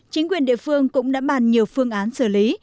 chính quyền địa phương cũng đã bàn nhiều phương án xử lý